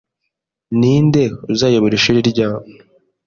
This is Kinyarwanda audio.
Ninde uzayobora ishuri ryabo?